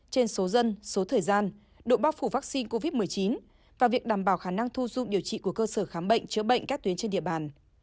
trên số dân số thời gian độ bao phủ vaccine covid một mươi chín và việc đảm bảo khả năng thu dung điều trị của cơ sở khám bệnh chữa bệnh các tuyến trên địa bàn